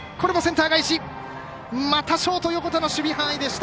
またショート横田の守備範囲でした。